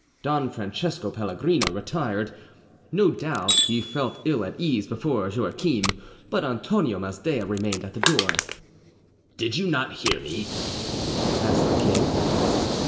Don Francesco Pellegrino retired. No doubt he felt ill at ease before Joachim. But Antonio Masdea remained at the door. "Did you not hear me?" asked the king.